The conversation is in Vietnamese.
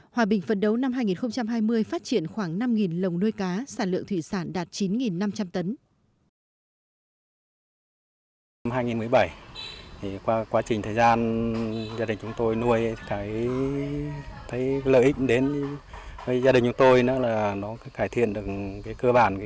hòa bình phấn đấu năm hai nghìn hai mươi phát triển khuẩn